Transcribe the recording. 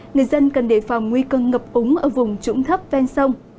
người dân cần đề phòng nguy cơ ngập úng ở vùng trũng thấp ven sông